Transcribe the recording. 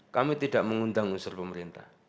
kami tidak mengundang unsur pemerintah